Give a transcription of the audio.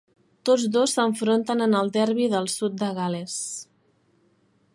Tots dos s'enfronten en el Derby del Sud de Gal·les.